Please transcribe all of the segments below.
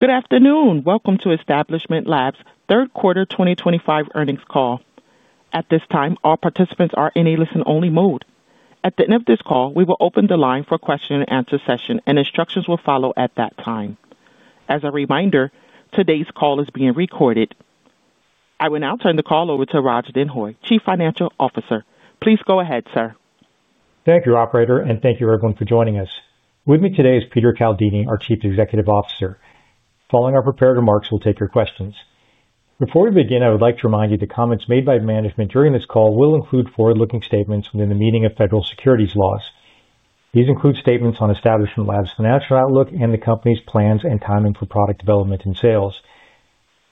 Good afternoon. Welcome to Establishment Lab's Third Quarter 2025 Earnings Call. At this time, all participants are in a listen-only mode. At the end of this call, we will open the line for question-and-answer session, and instructions will follow at that time. As a reminder, today's call is being recorded. I will now turn the call over to Raj Denhoy, Chief Financial Officer. Please go ahead, sir. Thank you, Operator, and thank you, everyone, for joining us. With me today is Peter Caldini, our Chief Executive Officer. Following our prepared remarks, we'll take your questions. Before we begin, I would like to remind you the comments made by management during this call will include forward-looking statements within the meaning of federal securities laws. These include statements on Establishment Labs' financial outlook and the company's plans and timing for product development and sales.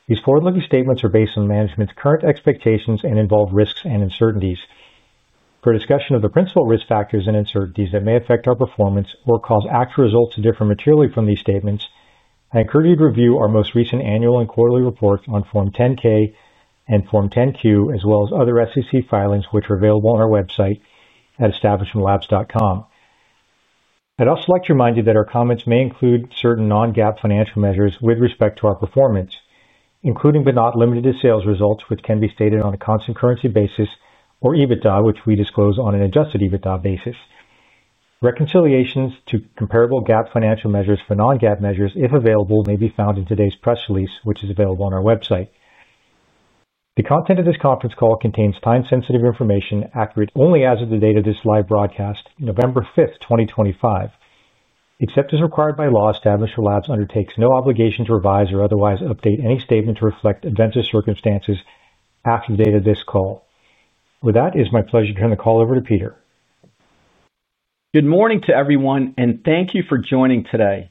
These forward-looking statements are based on management's current expectations and involve risks and uncertainties. For discussion of the principal risk factors and uncertainties that may affect our performance or cause actual results to differ materially from these statements, I encourage you to review our most recent annual and quarterly reports on Form 10-K and Form 10-Q, as well as other SEC filings which are available on our website at establishmentlabs.com. I'd also like to remind you that our comments may include certain non-GAAP financial measures with respect to our performance, including but not limited to sales results, which can be stated on a constant currency basis, or EBITDA, which we disclose on an adjusted EBITDA basis. Reconciliations to comparable GAAP financial measures for non-GAAP measures, if available, may be found in today's press release, which is available on our website. The content of this conference call contains time-sensitive information accurate only as of the date of this live broadcast, November 5th, 2025. Except as required by law, Establishment Labs undertakes no obligation to revise or otherwise update any statement to reflect adventitious circumstances after the date of this call. With that, it is my pleasure to turn the call over to Peter. Good morning to everyone, and thank you for joining today.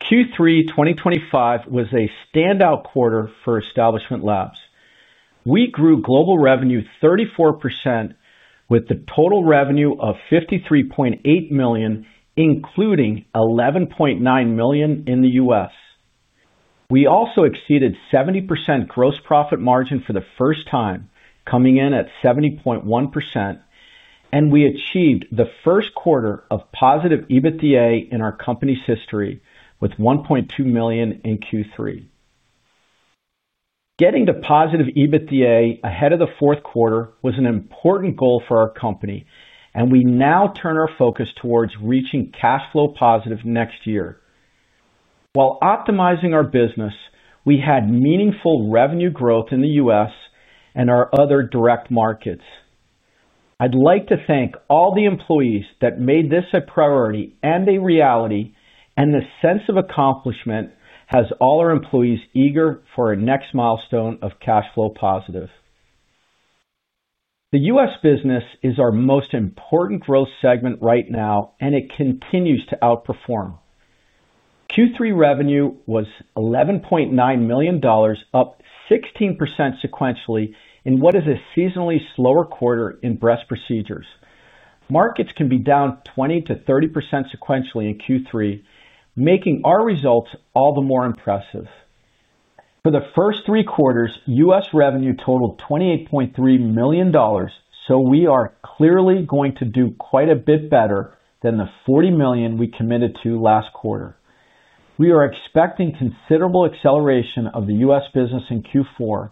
Q3 2025 was a standout quarter for Establishment Labs. We grew global revenue 34% with a total revenue of $53.8 million, including $11.9 million in the U.S. We also exceeded a 70% gross profit margin for the first time, coming in at 70.1%. We achieved the first quarter of positive EBITDA in our company's history with $1.2 million in Q3. Getting to positive EBITDA ahead of the fourth quarter was an important goal for our company, and we now turn our focus towards reaching cash flow positive next year. While optimizing our business, we had meaningful revenue growth in the U.S. and our other direct markets. I'd like to thank all the employees that made this a priority and a reality, and the sense of accomplishment has all our employees eager for our next milestone of cash flow positive. The U.S. business is our most important growth segment right now, and it continues to outperform. Q3 revenue was $11.9 million, up 16% sequentially in what is a seasonally slower quarter in breast procedures. Markets can be down 20% to 30% sequentially in Q3, making our results all the more impressive. For the first three quarters, U.S. revenue totaled $28.3 million, so we are clearly going to do quite a bit better than the $40 million we committed to last quarter. We are expecting considerable acceleration of the U.S. business in Q4,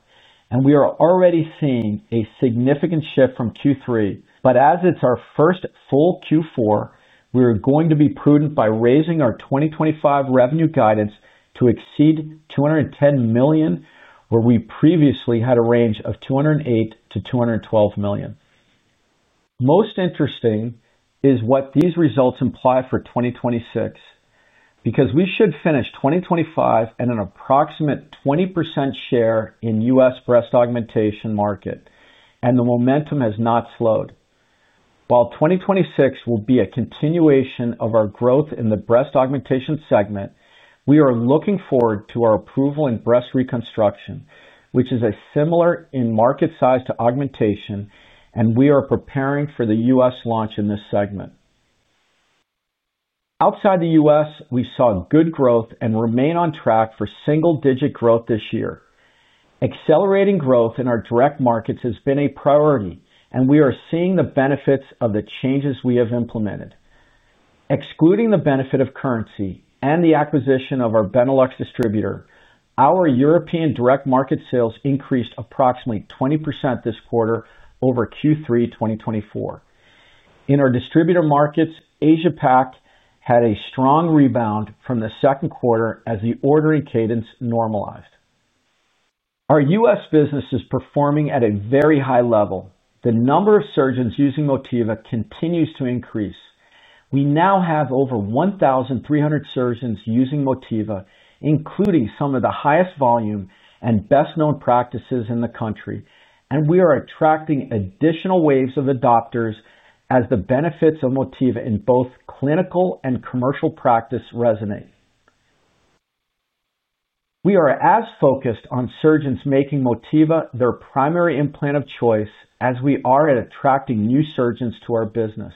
and we are already seeing a significant shift from Q3. As it is our first full Q4, we are going to be prudent by raising our 2025 revenue guidance to exceed $210 million, where we previously had a range of $208 million to $212 million. Most interesting is what these results imply for 2026, because we should finish 2025 at an approximate 20% share in the U.S. breast augmentation market, and the momentum has not slowed. While 2026 will be a continuation of our growth in the breast augmentation segment, we are looking forward to our approval in breast reconstruction, which is similar in market size to augmentation, and we are preparing for the U.S. launch in this segment. Outside the U.S., we saw good growth and remain on track for single-digit growth this year. Accelerating growth in our direct markets has been a priority, and we are seeing the benefits of the changes we have implemented. Excluding the benefit of currency and the acquisition of our Benelux distributor, our European direct market sales increased approximately 20% this quarter over Q3 2024. In our distributor markets, Asia-Pacific had a strong rebound from the second quarter as the ordering cadence normalized. Our U.S. business is performing at a very high level. The number of surgeons using Motiva continues to increase. We now have over 1,300 surgeons using Motiva, including some of the highest volume and best-known practices in the country, and we are attracting additional waves of adopters as the benefits of Motiva in both clinical and commercial practice resonate. We are as focused on surgeons making Motiva their primary implant of choice as we are at attracting new surgeons to our business.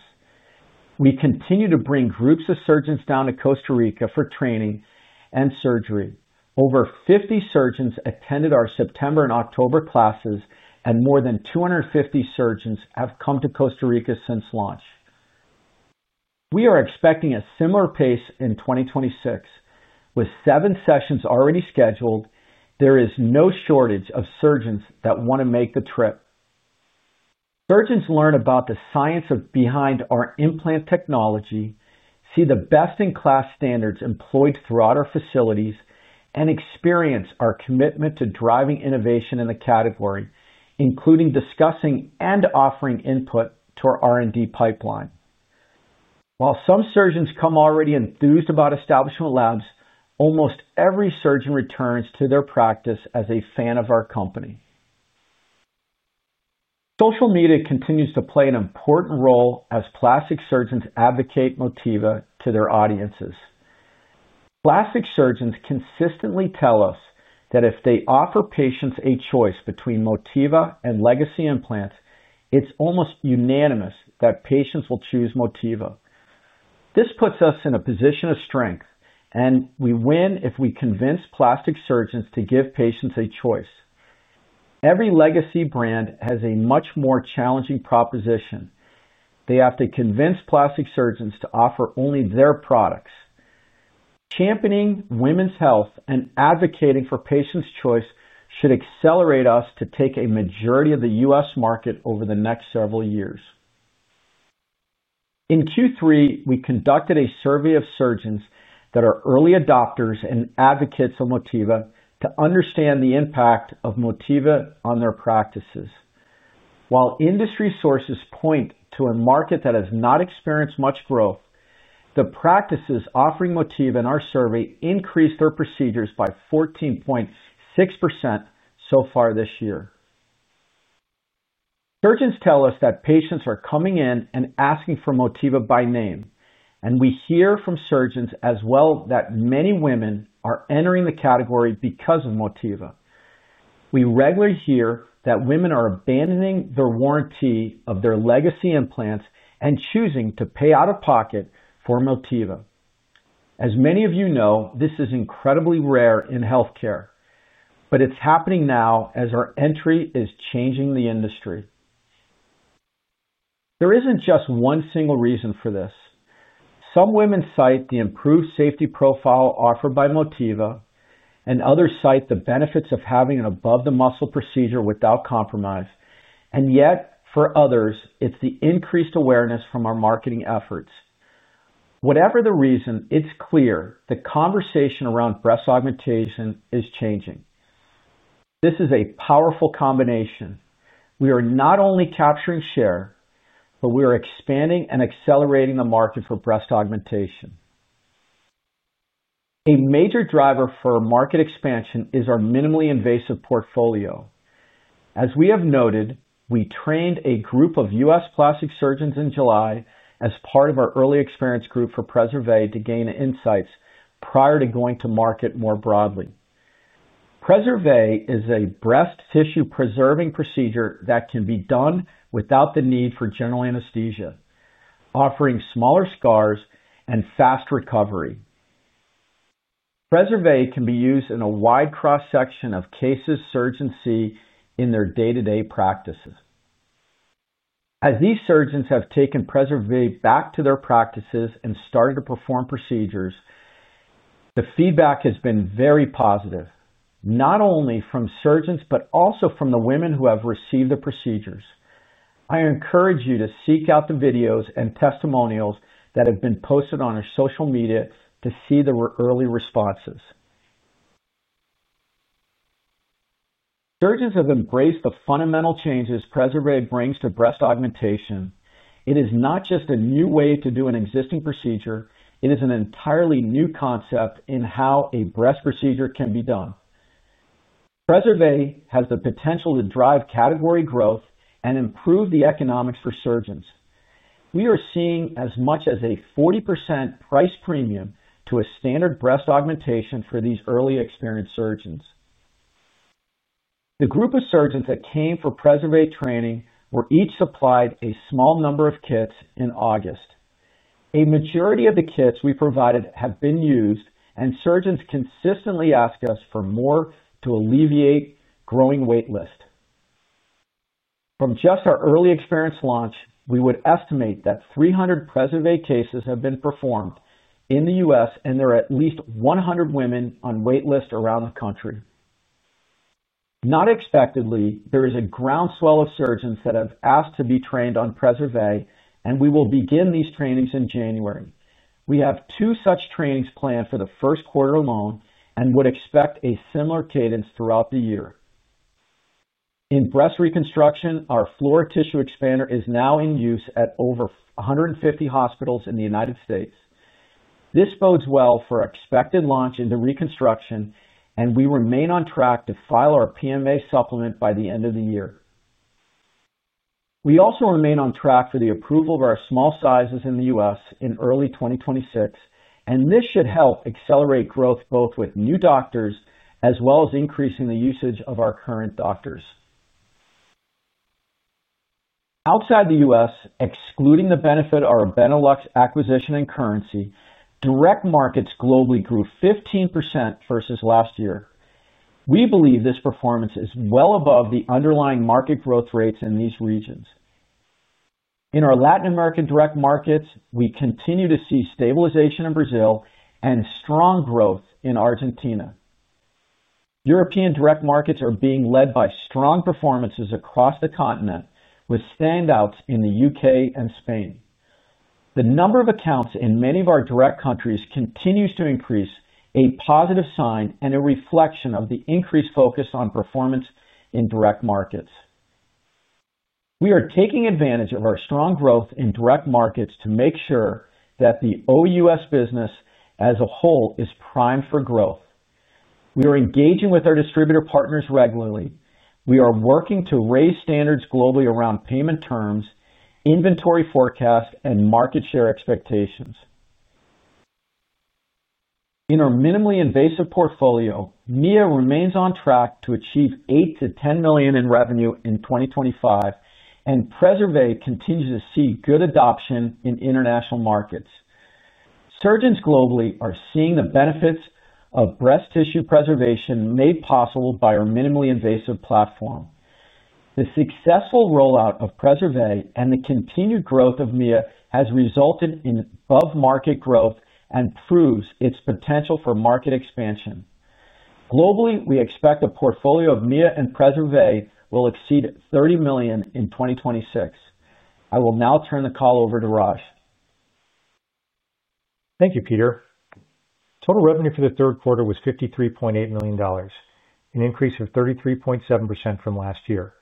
We continue to bring groups of surgeons down to Costa Rica for training and surgery. Over 50 surgeons attended our September and October classes, and more than 250 surgeons have come to Costa Rica since launch. We are expecting a similar pace in 2026. With seven sessions already scheduled, there is no shortage of surgeons that want to make the trip. Surgeons learn about the science behind our implant technology, see the best-in-class standards employed throughout our facilities, and experience our commitment to driving innovation in the category, including discussing and offering input to our R&D pipeline. While some surgeons come already enthused about Establishment Labs, almost every surgeon returns to their practice as a fan of our company. Social media continues to play an important role as plastic surgeons advocate Motiva to their audiences. Plastic surgeons consistently tell us that if they offer patients a choice between Motiva and legacy implants, it's almost unanimous that patients will choose Motiva. This puts us in a position of strength, and we win if we convince plastic surgeons to give patients a choice. Every legacy brand has a much more challenging proposition. They have to convince plastic surgeons to offer only their products. Championing women's health and advocating for patients' choice should accelerate us to take a majority of the U.S. market over the next several years. In Q3, we conducted a survey of surgeons that are early adopters and advocates of Motiva to understand the impact of Motiva on their practices. While industry sources point to a market that has not experienced much growth, the practices offering Motiva in our survey increased their procedures by 14.6% so far this year. Surgeons tell us that patients are coming in and asking for Motiva by name, and we hear from surgeons as well that many women are entering the category because of Motiva. We regularly hear that women are abandoning the warranty of their legacy implants and choosing to pay out of pocket for Motiva. As many of you know, this is incredibly rare in healthcare, but it's happening now as our entry is changing the industry. There isn't just one single reason for this. Some women cite the improved safety profile offered by Motiva, others cite the benefits of having an above-the-muscle procedure without compromise. Yet, for others, it's the increased awareness from our marketing efforts. Whatever the reason, it's clear the conversation around breast augmentation is changing. This is a powerful combination. We are not only capturing share, but we are expanding and accelerating the market for breast augmentation. A major driver for market expansion is our minimally invasive portfolio. As we have noted, we trained a group of U.S. plastic surgeons in July as part of our early experience group for PreserVe to gain insights prior to going to market more broadly. PreserVe is a breast tissue-preserving procedure that can be done without the need for general anesthesia, offering smaller scars and fast recovery. PreserVe can be used in a wide cross-section of cases surgeons see in their day-to-day practices. As these surgeons have taken PreserVe back to their practices and started to perform procedures, the feedback has been very positive, not only from surgeons but also from the women who have received the procedures. I encourage you to seek out the videos and testimonials that have been posted on our social media to see the early responses. Surgeons have embraced the fundamental changes PreserVe brings to breast augmentation. It is not just a new way to do an existing procedure; it is an entirely new concept in how a breast procedure can be done. PreserVe has the potential to drive category growth and improve the economics for surgeons. We are seeing as much as a 40% price premium to a standard breast augmentation for these early-experienced surgeons. The group of surgeons that came for PreserVe training were each supplied a small number of kits in August. A majority of the kits we provided have been used, and surgeons consistently ask us for more to alleviate growing waitlist. From just our early experience launch, we would estimate that 300 PreserVe cases have been performed in the U.S., and there are at least 100 women on waitlist around the country. Not expectedly, there is a groundswell of surgeons that have asked to be trained on PreserVe, and we will begin these trainings in January. We have two such trainings planned for the first quarter alone and would expect a similar cadence throughout the year. In breast reconstruction, our floor tissue expander is now in use at over 150 hospitals in the U.S. This bodes well for expected launch into reconstruction, and we remain on track to file our PMA supplement by the end of the year. We also remain on track for the approval of our small sizes in the U.S. in early 2026, and this should help accelerate growth both with new doctors as well as increasing the usage of our current doctors. Outside the U.S., excluding the benefit of our Benelux acquisition in currency, direct markets globally grew 15% versus last year. We believe this performance is well above the underlying market growth rates in these regions. In our Latin American direct markets, we continue to see stabilization in Brazil and strong growth in Argentina. European direct markets are being led by strong performances across the continent, with standouts in the U.K. and Spain. The number of accounts in many of our direct countries continues to increase, a positive sign and a reflection of the increased focus on performance in direct markets. We are taking advantage of our strong growth in direct markets to make sure that the whole U.S. business as a whole is primed for growth. We are engaging with our distributor partners regularly. We are working to raise standards globally around payment terms, inventory forecasts, and market share expectations. In our minimally invasive portfolio, NEO remains on track to achieve $8 million to $10 million in revenue in 2025, and PreserVe continues to see good adoption in international markets. Surgeons globally are seeing the benefits of breast tissue preservation made possible by our minimally invasive platform. The successful rollout of PreserVe and the continued growth of NEO has resulted in above-market growth and proves its potential for market expansion. Globally, we expect a portfolio of NEO and PreserVe will exceed $30 million in 2026. I will now turn the call over to Raj. Thank you, Peter. Total revenue for the third quarter was $53.8 million, an increase of 33.7% from last year.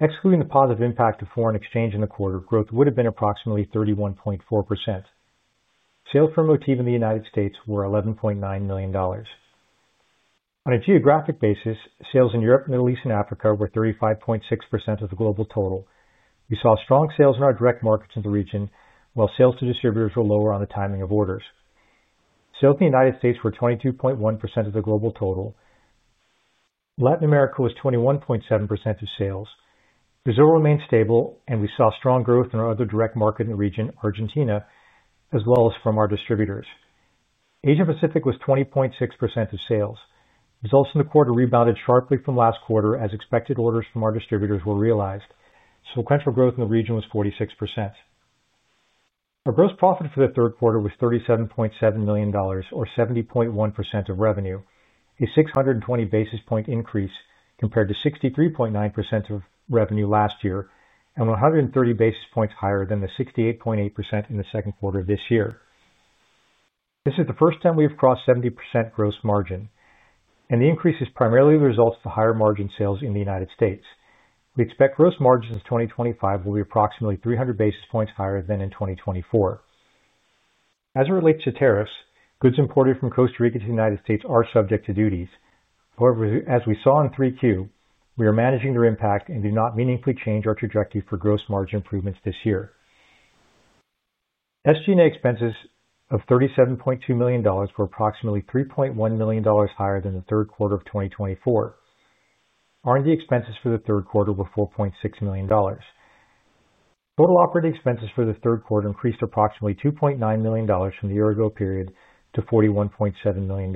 Excluding the positive impact of foreign exchange in the quarter, growth would have been approximately 31.4%. Sales for Motiva in the United States were $11.9 million. On a geographic basis, sales in Europe, the Middle East, and Africa were 35.6% of the global total. We saw strong sales in our direct markets in the region, while sales to distributors were lower on the timing of orders. Sales in the United States were 22.1% of the global total. Latin America was 21.7% of sales. Brazil remained stable, and we saw strong growth in our other direct market in the region, Argentina, as well as from our distributors. Asia-Pacific was 20.6% of sales. Results in the quarter rebounded sharply from last quarter as expected orders from our distributors were realized. Sequential growth in the region was 46%. Our gross profit for the third quarter was $37.7 million, or 70.1% of revenue, a 620 basis point increase compared to 63.9% of revenue last year and 130 basis points higher than the 68.8% in the second quarter of this year. This is the first time we have crossed 70% gross margin, and the increase is primarily the result of the higher margin sales in the United States. We expect gross margins in 2025 will be approximately 300 basis points higher than in 2024. As it relates to tariffs, goods imported from Costa Rica to the United States are subject to duties. However, as we saw in 3Q, we are managing their impact and do not meaningfully change our trajectory for gross margin improvements this year. SG&A expenses of $37.2 million were approximately $3.1 million higher than the third quarter of 2024. R&D expenses for the third quarter were $4.6 million. Total operating expenses for the third quarter increased approximately $2.9 million from the year-ago period to $41.7 million.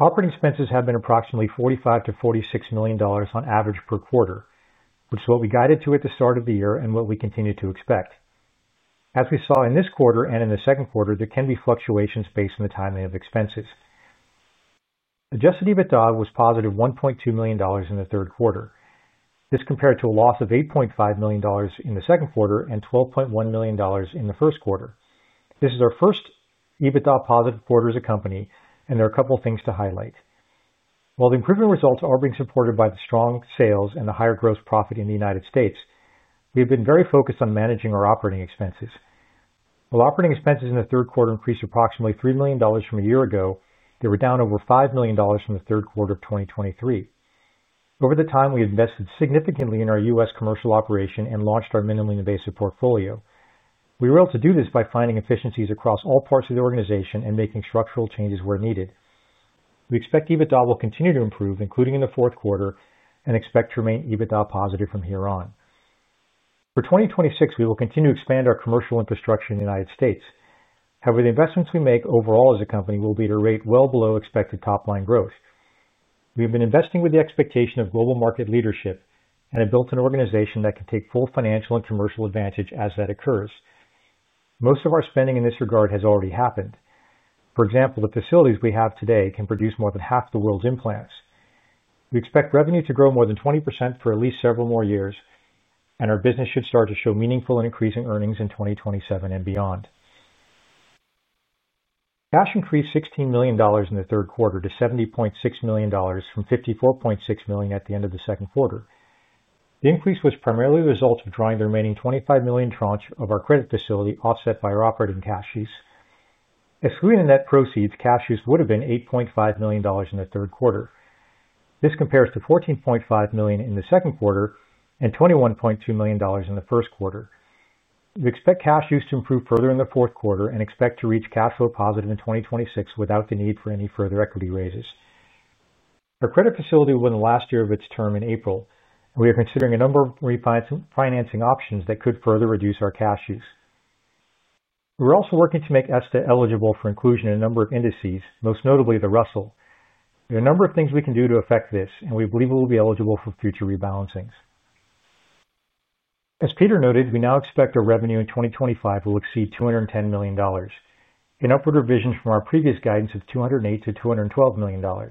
Operating expenses have been approximately $45 million to $46 million on average per quarter, which is what we guided to at the start of the year and what we continue to expect. As we saw in this quarter and in the second quarter, there can be fluctuations based on the timing of expenses. Adjusted EBITDA was positive $1.2 million in the third quarter. This compared to a loss of $8.5 million in the second quarter and $12.1 million in the first quarter. This is our first EBITDA positive quarter as a company, and there are a couple of things to highlight. While the improvement results are being supported by the strong sales and the higher gross profit in the United States, we have been very focused on managing our operating expenses. While operating expenses in the third quarter increased approximately $3 million from a year ago, they were down over $5 million from the third quarter of 2023. Over the time, we invested significantly in our U.S. commercial operation and launched our minimally invasive portfolio. We were able to do this by finding efficiencies across all parts of the organization and making structural changes where needed. We expect EBITDA will continue to improve, including in the fourth quarter, and expect to remain EBITDA positive from here on. For 2026, we will continue to expand our commercial infrastructure in the United States. However, the investments we make overall as a company will be at a rate well below expected top-line growth. We have been investing with the expectation of global market leadership and have built an organization that can take full financial and commercial advantage as that occurs. Most of our spending in this regard has already happened. For example, the facilities we have today can produce more than half the world's implants. We expect revenue to grow more than 20% for at least several more years, and our business should start to show meaningful and increasing earnings in 2027 and beyond. Cash increased $16 million in the third quarter to $70.6 million from $54.6 million at the end of the second quarter. The increase was primarily the result of drawing the remaining $25 million tranche of our credit facility offset by our operating cash use. Excluding the net proceeds, cash use would have been $8.5 million in the third quarter. This compares to $14.5 million in the second quarter and $21.2 million in the first quarter. We expect cash use to improve further in the fourth quarter and expect to reach cash flow positive in 2026 without the need for any further equity raises. Our credit facility was in the last year of its term in April, and we are considering a number of refinancing options that could further reduce our cash use. We're also working to make ESTA eligible for inclusion in a number of indices, most notably the Russell. There are a number of things we can do to affect this, and we believe we will be eligible for future rebalancings. As Peter noted, we now expect our revenue in 2025 will exceed $210 million, an upward revision from our previous guidance of $208 million to $212 million. Our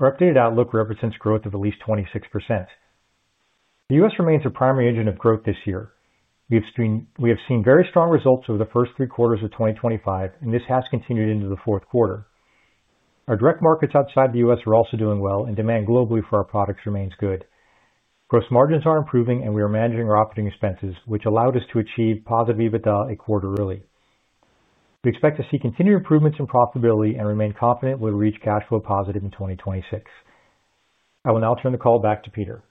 updated outlook represents growth of at least 26%. The U.S. remains a primary engine of growth this year. We have seen very strong results over the first three quarters of 2025, and this has continued into the fourth quarter. Our direct markets outside the U.S. are also doing well, and demand globally for our products remains good. Gross margins are improving, and we are managing our operating expenses, which allowed us to achieve positive EBITDA a quarter early. We expect to see continued improvements in profitability and remain confident we'll reach cash flow positive in 2026. I will now turn the call back to Peter.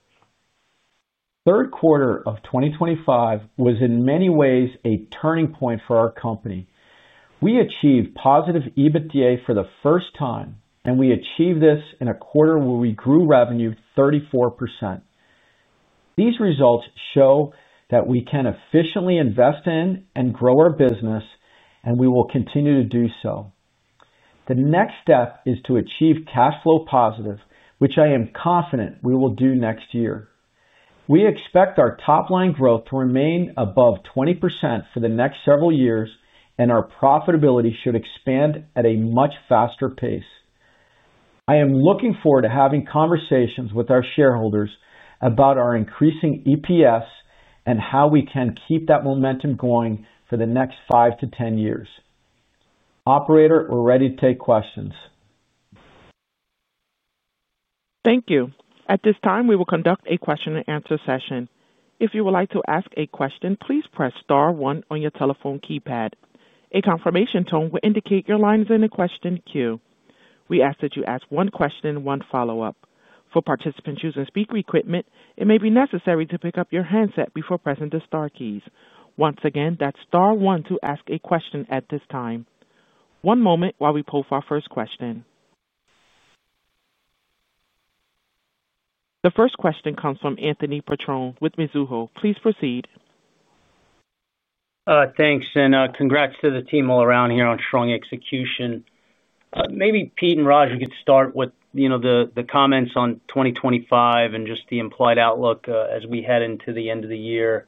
Third quarter of 2025 was, in many ways, a turning point for our company. We achieved positive EBITDA for the first time, and we achieved this in a quarter where we grew revenue 34%. These results show that we can efficiently invest in and grow our business, and we will continue to do so. The next step is to achieve cash flow positive, which I am confident we will do next year. We expect our top-line growth to remain above 20% for the next several years, and our profitability should expand at a much faster pace. I am looking forward to having conversations with our shareholders about our increasing EPS and how we can keep that momentum going for the next 5-10 years. Operator, we're ready to take questions. Thank you. At this time, we will conduct a question-and-answer session. If you would like to ask a question, please press Star one on your telephone keypad. A confirmation tone will indicate your line is in a question queue. We ask that you ask one question and one follow-up. For participants using speaker equipment, it may be necessary to pick up your handset before pressing the Star keys. Once again, that's Star one to ask a question at this time. One moment while we pull for our first question. The first question comes from Anthony Patron with Mizuho. Please proceed. Thanks, and congrats to the team all around here on strong execution. Maybe Pete and Raj, we could start with the comments on 2025 and just the implied outlook as we head into the end of the year.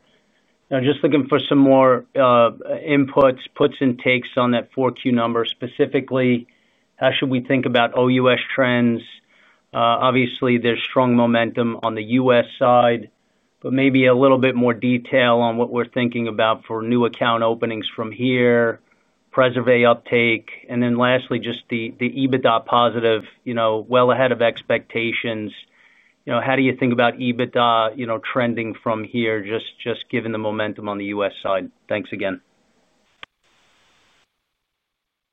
Just looking for some more inputs, puts, and takes on that Q4 number. Specifically, how should we think about OU.S. trends? Obviously, there is strong momentum on the U.S. side, but maybe a little bit more detail on what we are thinking about for new account openings from here, PreserVe uptake, and then lastly, just the EBITDA positive, well ahead of expectations. How do you think about EBITDA trending from here, just given the momentum on the U.S. side? Thanks again.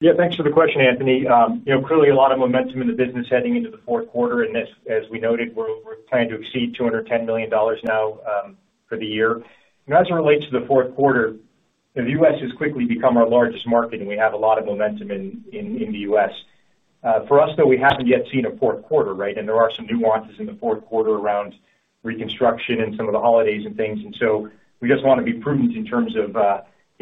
Yeah, thanks for the question, Anthony. Clearly, a lot of momentum in the business heading into the fourth quarter, and as we noted, we are planning to exceed $210 million now for the year. As it relates to the fourth quarter, the U.S. has quickly become our largest market, and we have a lot of momentum in the U.S.. For us, though, we have not yet seen a fourth quarter, right. There are some nuances in the fourth quarter around reconstruction and some of the holidays and things. We just want to be prudent in terms of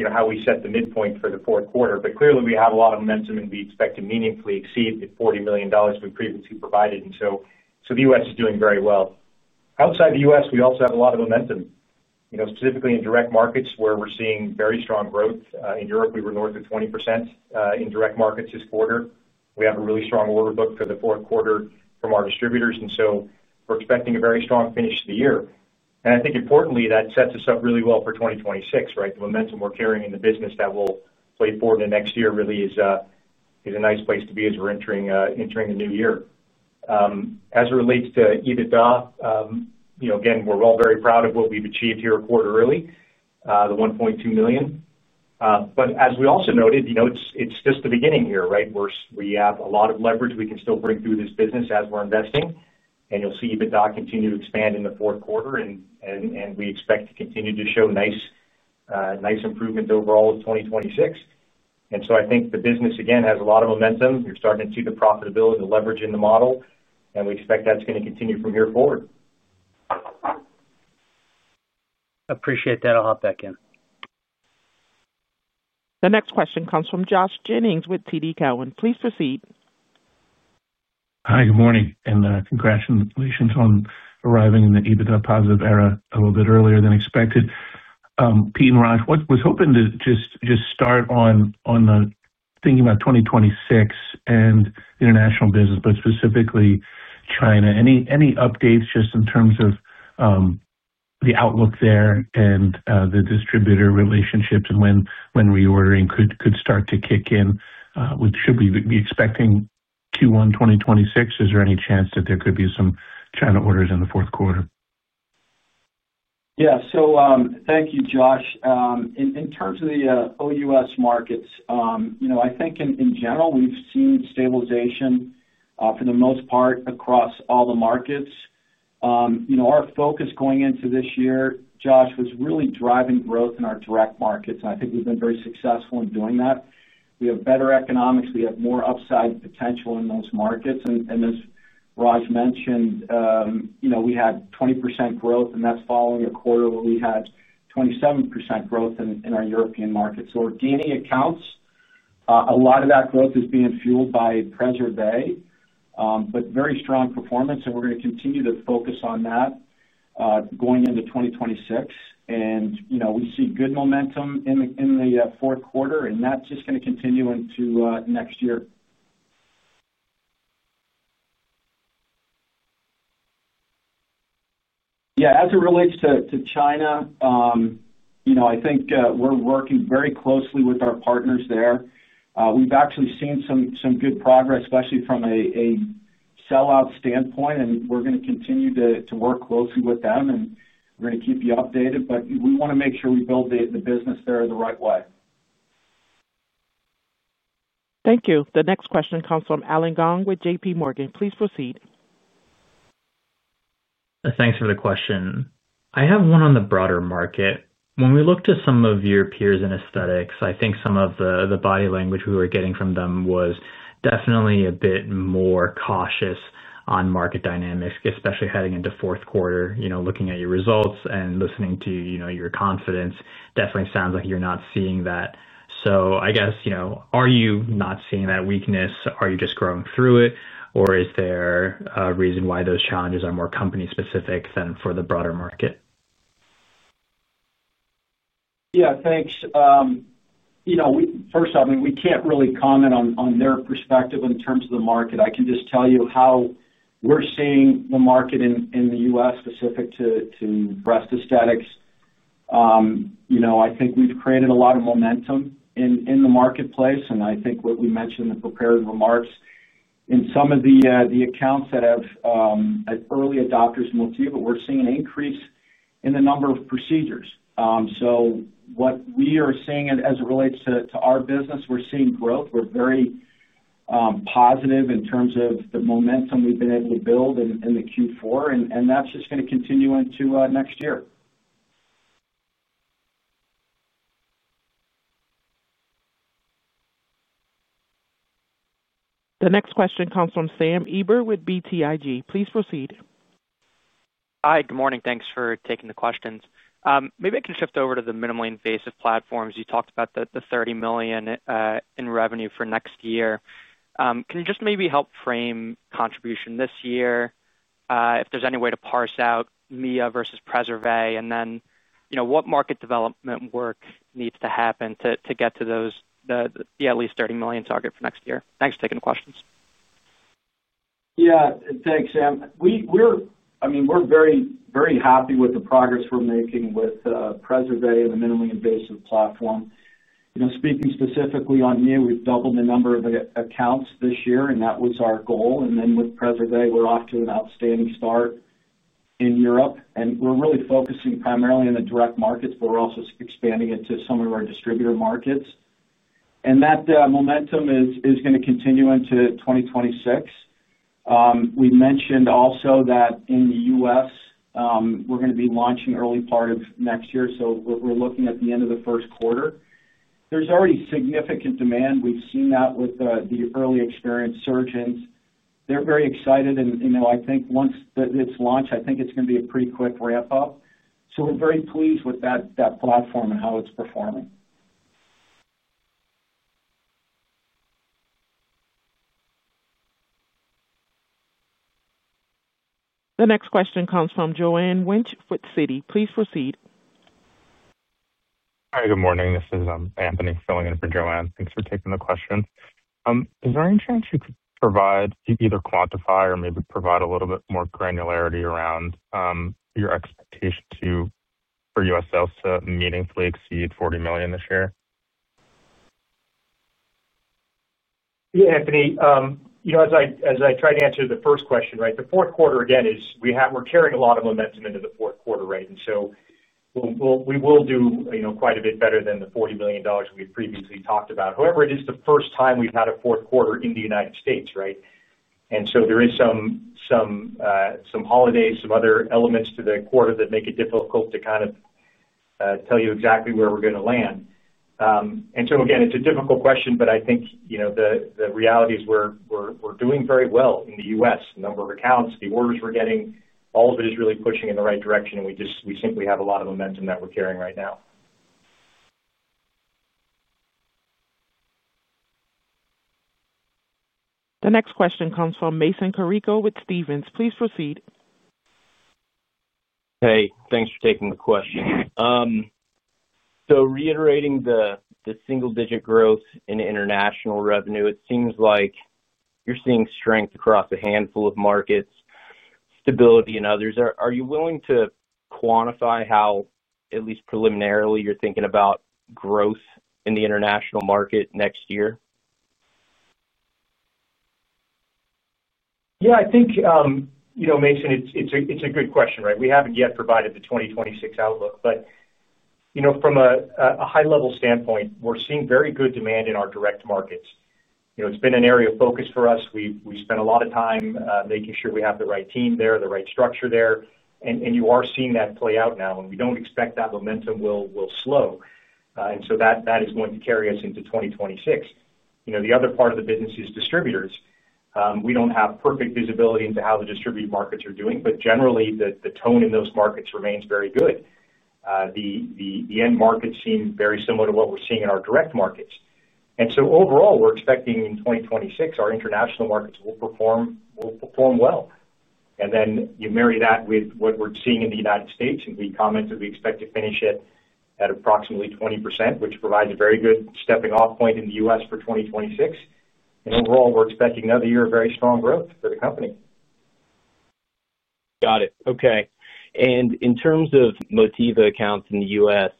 how we set the midpoint for the fourth quarter. Clearly, we have a lot of momentum, and we expect to meaningfully exceed the $40 million we previously provided. The U.S. is doing very well. Outside the U.S., we also have a lot of momentum, specifically in direct markets, where we're seeing very strong growth. In Europe, we were north of 20% in direct markets this quarter. We have a really strong order book for the fourth quarter from our distributors, and we are expecting a very strong finish to the year. I think, importantly, that sets us up really well for 2026, right. The momentum we're carrying in the business that will play forward in the next year really is a nice place to be as we're entering the new year. As it relates to EBITDA, again, we're all very proud of what we've achieved here a quarter early, the $1.2 million. As we also noted, it's just the beginning here, right. We have a lot of leverage we can still bring through this business as we're investing, and you'll see EBITDA continue to expand in the fourth quarter, and we expect to continue to show nice improvements overall in 2026. I think the business, again, has a lot of momentum. You're starting to see the profitability and leverage in the model, and we expect that's going to continue from here forward. Appreciate that. I'll hop back in. The next question comes from Josh Jennings with TD Cowen. Please proceed. Hi, good morning, and congrats to the Felicians on arriving in the EBITDA positive era a little bit earlier than expected. Pete and Raj, I was hoping to just start on thinking about 2026 and international business, but specifically China. Any updates just in terms of the outlook there and the distributor relationships and when reordering could start to kick in? Should we be expecting Q1 2026? Is there any chance that there could be some China orders in the fourth quarter? Yeah, so thank you, Josh. In terms of the OU.S. markets, I think in general, we've seen stabilization for the most part across all the markets. Our focus going into this year, Josh, was really driving growth in our direct markets, and I think we've been very successful in doing that. We have better economics. We have more upside potential in those markets. And as Raj mentioned. We had 20% growth, and that's following a quarter where we had 27% growth in our European markets. Organic accounts, a lot of that growth is being fueled by PreserVe, but very strong performance, and we're going to continue to focus on that. Going into 2026. We see good momentum in the fourth quarter, and that's just going to continue into next year. Yeah, as it relates to China, I think we're working very closely with our partners there. We've actually seen some good progress, especially from a sellout standpoint, and we're going to continue to work closely with them, and we're going to keep you updated, but we want to make sure we build the business there the right way. Thank you. The next question comes from Allen Gong with JP Morgan. Please proceed. Thanks for the question. I have one on the broader market. When we looked at some of your peers in aesthetics, I think some of the body language we were getting from them was definitely a bit more cautious on market dynamics, especially heading into fourth quarter. Looking at your results and listening to your confidence, definitely sounds like you're not seeing that. I guess, are you not seeing that weakness? Are you just growing through it, or is there a reason why those challenges are more company-specific than for the broader market? Yeah, thanks. First off, I mean, we can't really comment on their perspective in terms of the market. I can just tell you how we're seeing the market in the U.S., specific to breast aesthetics. I think we've created a lot of momentum in the marketplace, and I think what we mentioned in the prepared remarks, in some of the accounts that have. Early adopters will see, but we're seeing an increase in the number of procedures. So what we are seeing as it relates to our business, we're seeing growth. We're very positive in terms of the momentum we've been able to build in the Q4, and that's just going to continue into next year. The next question comes from Sam Eiber with BTIG. Please proceed. Hi, good morning. Thanks for taking the questions. Maybe I can shift over to the minimally invasive platforms. You talked about the $30 million in revenue for next year. Can you just maybe help frame contribution this year, if there's any way to parse out Mia versus PreserVe, and then what market development work needs to happen to get to the at least $30 million target for next year? Thanks for taking the questions. Yeah, thanks, Sam. I mean, we're very happy with the progress we're making with PreserVe and the minimally invasive platform. Speaking specifically on Mia, we've doubled the number of accounts this year, and that was our goal. With PreserVe, we're off to an outstanding start. In Europe, we're really focusing primarily in the direct markets, but we're also expanding into some of our distributor markets. That momentum is going to continue into 2026. We mentioned also that in the U.S., we're going to be launching early part of next year, so we're looking at the end of the first quarter. There's already significant demand. We've seen that with the early experience surgeons. They're very excited, and I think once it's launched, I think it's going to be a pretty quick ramp-up. We're very pleased with that platform and how it's performing. The next question comes from Joanne Wuensch with Citi. Please proceed. Hi, good morning. This is Anthony filling in for Joanne. Thanks for taking the question. Is there any chance you could provide, either quantify or maybe provide a little bit more granularity around your expectation for U.S. sales to meaningfully exceed $40 million this year? Yeah, Anthony, as I tried to answer the first question, right, the fourth quarter, again, we're carrying a lot of momentum into the fourth quarter, right. We will do quite a bit better than the $40 million we've previously talked about. However, it is the first time we've had a fourth quarter in the United States, right. There is some holidays, some other elements to the quarter that make it difficult to kind of tell you exactly where we're going to land. Again, it's a difficult question, but I think the reality is we're doing very well in the U.S. The number of accounts, the orders we're getting, all of it is really pushing in the right direction, and we simply have a lot of momentum that we're carrying right now. The next question comes from Mason Carrico with Stephens. Please proceed. Hey, thanks for taking the question. Reiterating the single-digit growth in international revenue, it seems like you're seeing strength across a handful of markets, stability in others. Are you willing to quantify how, at least preliminarily, you're thinking about growth in the international market next year? Yeah, I think, Mason, it's a good question, right. We haven't yet provided the 2026 outlook, but from a high-level standpoint, we're seeing very good demand in our direct markets. It's been an area of focus for us. We spent a lot of time making sure we have the right team there, the right structure there, and you are seeing that play out now. We do not expect that momentum will slow. That is going to carry us into 2026. The other part of the business is distributors. We do not have perfect visibility into how the distributed markets are doing, but generally, the tone in those markets remains very good. The end markets seem very similar to what we are seeing in our direct markets. Overall, we are expecting in 2026, our international markets will perform well. You marry that with what we are seeing in the United States, and we commented we expect to finish it at approximately 20%, which provides a very good stepping-off point in the U.S. for 2026. Overall, we are expecting another year of very strong growth for the company. Got it. Okay. In terms of Motiva accounts in the U.S.,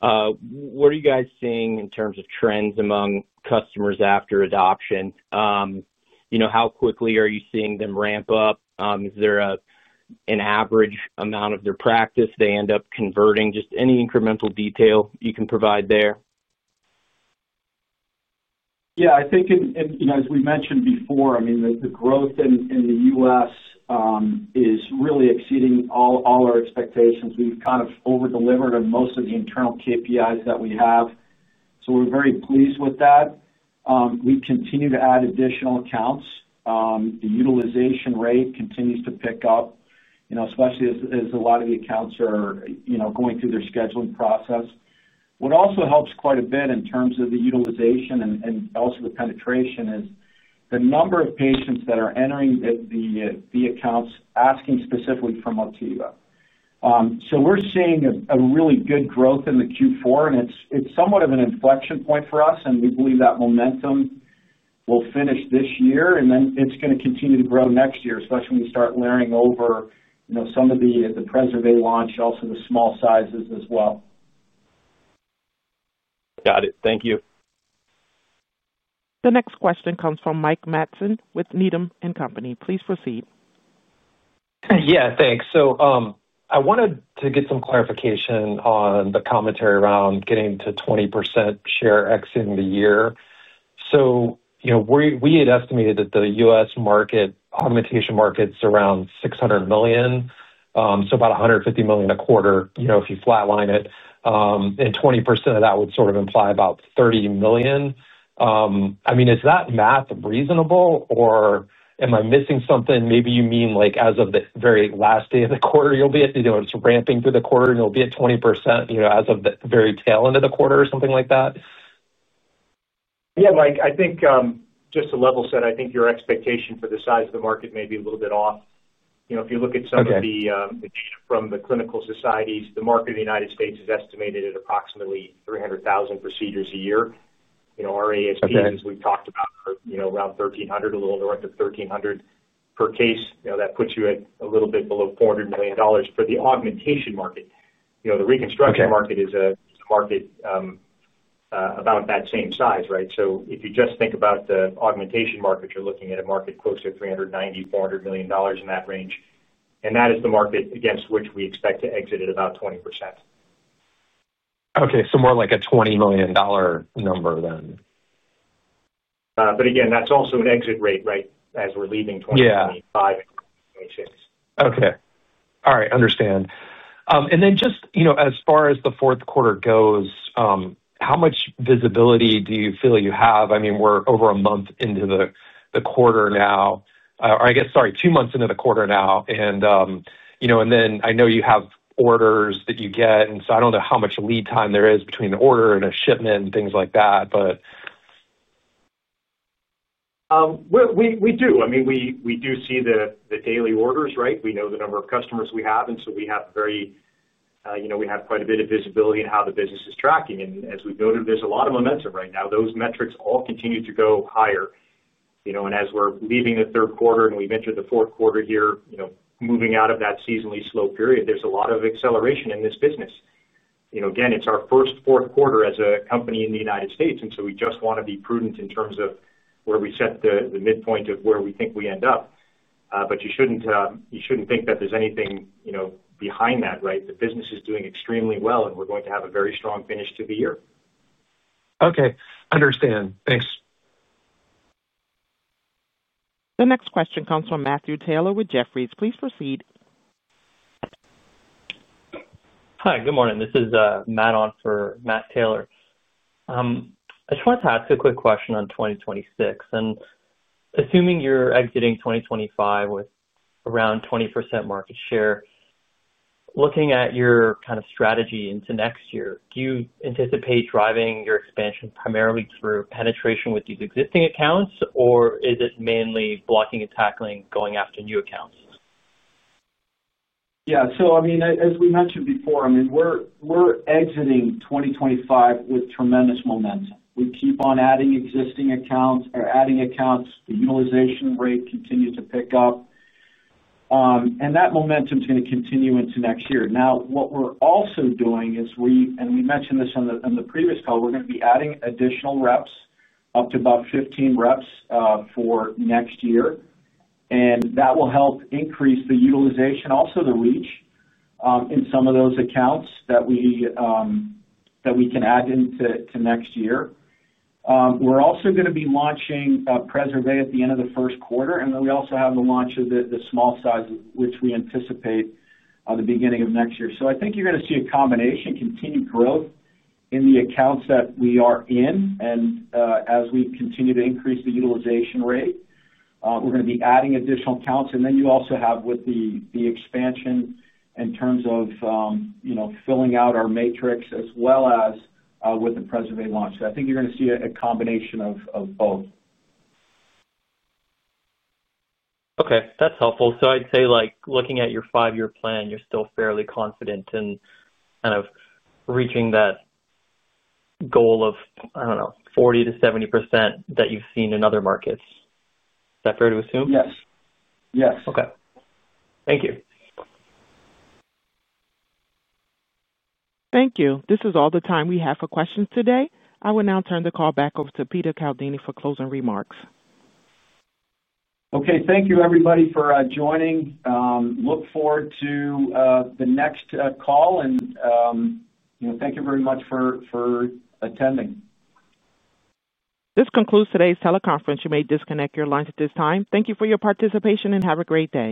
what are you guys seeing in terms of trends among customers after adoption? How quickly are you seeing them ramp up? Is there an average amount of their practice they end up converting? Just any incremental detail you can provide there. Yeah, I think, as we mentioned before, I mean, the growth in the U.S. is really exceeding all our expectations. We've kind of over-delivered on most of the internal KPIs that we have, so we're very pleased with that. We continue to add additional accounts. The utilization rate continues to pick up, especially as a lot of the accounts are going through their scheduling process. What also helps quite a bit in terms of the utilization and also the penetration is the number of patients that are entering the accounts asking specifically for Motiva. We're seeing a really good growth in Q4, and it's somewhat of an inflection point for us, and we believe that momentum will finish this year, and then it's going to continue to grow next year, especially when we start layering over some of the PreserVe launch, also the small sizes as well. Got it. Thank you. The next question comes from Mike Matson with Needham & Company. Please proceed. Yeah, thanks. I wanted to get some clarification on the commentary around getting to 20% share X in the year. We had estimated that the U.S. augmentation market's around $600 million, so about $150 million a quarter if you flatline it. And 20% of that would sort of imply about $30 million. I mean, is that math reasonable, or am I missing something? Maybe you mean as of the very last day of the quarter, you'll be at—it's ramping through the quarter, and you'll be at 20% as of the very tail end of the quarter or something like that? Yeah, Mike, I think just to level set, I think your expectation for the size of the market may be a little bit off. If you look at some of the data from the clinical societies, the market in the U.S. is estimated at approximately 300,000 procedures a year. Our ASPs, as we've talked about, are around $1,300, a little under $1,300 per case. That puts you at a little bit below $400 million for the augmentation market. The reconstruction market is a market about that same size, right. If you just think about the augmentation market, you're looking at a market closer to $390 million to $400 million in that range. That is the market against which we expect to exit at about 20%. Okay, so more like a $20 million number then. Again, that is also an exit rate, right, as we are leaving 2025 and 2026. Okay. All right, understand. As far as the fourth quarter goes, how much visibility do you feel you have? I mean, we are over a month into the quarter now. Or, sorry, two months into the quarter now. I know you have orders that you get, and so I do not know how much lead time there is between an order and a shipment and things like that, but We do. I mean, we do see the daily orders, right. We know the number of customers we have, and so we have quite a bit of visibility in how the business is tracking. As we've noted, there's a lot of momentum right now. Those metrics all continue to go higher. As we're leaving the third quarter and we've entered the fourth quarter here, moving out of that seasonally slow period, there's a lot of acceleration in this business. Again, it's our first fourth quarter as a company in the United States, and we just want to be prudent in terms of where we set the midpoint of where we think we end up. You shouldn't think that there's anything behind that, right. The business is doing extremely well, and we're going to have a very strong finish to the year. Okay, understand. Thanks. The next question comes from Matthew Taylor with Jefferies. Please proceed. Hi, good morning. This is Matt on for Matt Taylor. I just wanted to ask a quick question on 2026. Assuming you're exiting 2025 with around 20% market share. Looking at your kind of strategy into next year, do you anticipate driving your expansion primarily through penetration with these existing accounts, or is it mainly blocking and tackling, going after new accounts? Yeah, I mean, as we mentioned before, we're exiting 2025 with tremendous momentum. We keep on adding existing accounts or adding accounts. The utilization rate continues to pick up. That momentum is going to continue into next year. Now, what we're also doing is, and we mentioned this on the previous call, we're going to be adding additional reps, up to about 15 reps for next year. That will help increase the utilization, also the reach, in some of those accounts that we can add into next year. We're also going to be launching PreserVe at the end of the first quarter, and then we also have the launch of the small sizes, which we anticipate at the beginning of next year. I think you're going to see a combination: continued growth in the accounts that we are in, and as we continue to increase the utilization rate, we're going to be adding additional accounts. You also have with the expansion in terms of filling out our matrix as well as with the PreserVe launch. I think you're going to see a combination of both. Okay, that's helpful. I'd say looking at your five-year plan, you're still fairly confident in kind of reaching that goal of, I don't know, 40-70% that you've seen in other markets. Is that fair to assume? Yes. Yes. Okay. Thank you. Thank you. This is all the time we have for questions today. I will now turn the call back over to Peter Caldini for closing remarks. Okay, thank you, everybody, for joining. Look forward to the next call. Thank you very much for attending. This concludes today's teleconference. You may disconnect your lines at this time. Thank you for your participation and have a great day.